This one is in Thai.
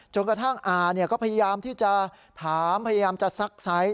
กระทั่งอาก็พยายามที่จะถามพยายามจะซักไซส์